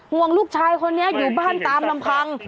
ห่วงลูกชายคนนี้อยู่บ้านตามลำพัง